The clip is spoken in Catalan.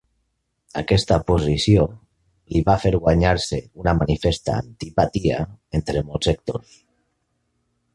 Aquesta posició li va fer guanyar-se una manifesta antipatia entre molts sectors.